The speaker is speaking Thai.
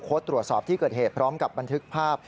ตรวจสอบที่เกิดเหตุพร้อมกับบันทึกภาพ